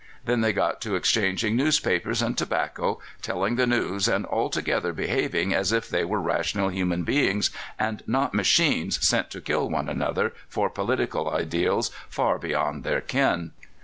Then they got to exchanging newspapers and tobacco, telling the news, and altogether behaving as if they were rational human beings, and not machines sent to kill one another for political ideals far beyond their ken.